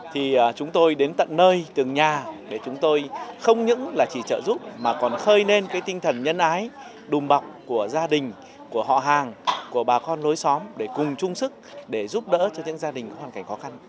thì chúng tôi đến tận nơi từng nhà để chúng tôi không những là chỉ trợ giúp mà còn khơi lên cái tinh thần nhân ái đùm bọc của gia đình của họ hàng của bà con nối xóm để cùng chung sức để giúp đỡ cho những gia đình có hoàn cảnh khó khăn